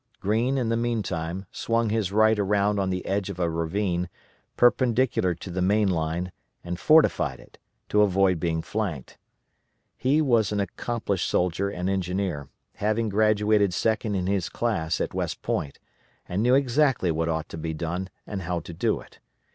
Greene, in the meantime, swung his right around on the edge of a ravine, perpendicular to the main line and fortified it, to avoid being flanked. He was an accomplished soldier and engineer, having graduated second in his class at West Point, and knew exactly what ought to be done and how to do it.